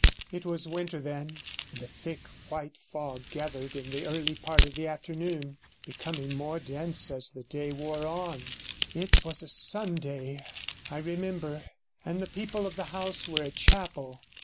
It was winter then, and a thick white fog gathered in the early part of the afternoon, becoming more dense as the day wore on; it was a Sunday, I remember, and the people of the house were at chapel.